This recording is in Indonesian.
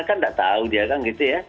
kan nggak tahu dia kan gitu ya